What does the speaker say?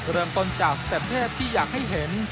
เริ่มต้นจากสเต็ปเทพที่อยากให้เห็น